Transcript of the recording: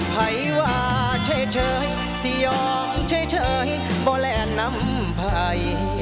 ไฮว่าเฉยสิยอมเฉยบ่แลน้ำไพ่